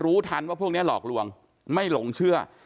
ทันว่าพวกนี้หลอกลวงไม่หลงเชื่อ